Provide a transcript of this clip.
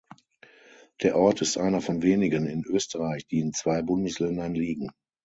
Der Ort ist einer von wenigen in Österreich, die in zwei Bundesländern liegen.